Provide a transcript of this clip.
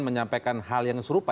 menyampaikan hal yang serupa